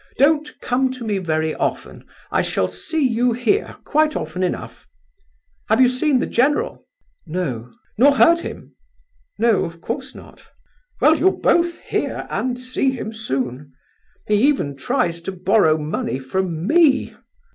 Don't come to me very often; I shall see you here quite often enough. Have you seen the general?" "No." "Nor heard him?" "No; of course not." "Well, you'll both hear and see him soon; he even tries to borrow money from me.